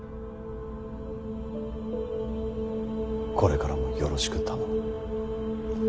これからもよろしく頼む。